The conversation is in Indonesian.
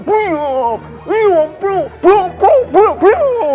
karena lelah akhirnya mereka pun mereka tertidur nyanyak sekali